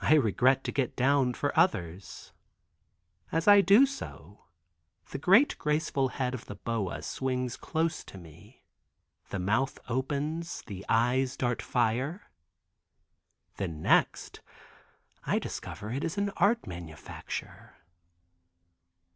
I regret to get down for others. As I do so, the great graceful head of the boa swings close to me, the mouth opens, the eyes dart fire; then next I discover it is an art manufacture.